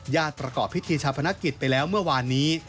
ประกอบพิธีชาพนักกิจไปแล้วเมื่อวานนี้